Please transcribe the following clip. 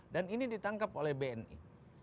dan ini ditangkap oleh bni